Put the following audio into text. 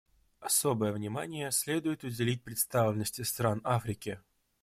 Особое внимание следует уделить представленности стран Африки.